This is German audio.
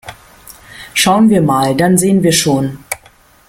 Schauen wir mal, dann sehen wir schon!